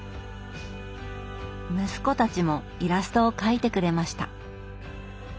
息子たちもイラストを描いてくれました。